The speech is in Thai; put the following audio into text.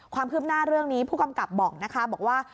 ความคืบหน้าเรื่องนี้ผู้กำกับบอกนะคะบอกว่า